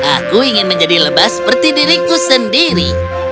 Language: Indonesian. aku ingin menjadi lebah seperti diriku sendiri